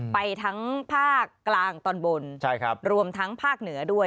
ไปทั้งภาคกลางตอนบนรวมทั้งภาคเหนือด้วย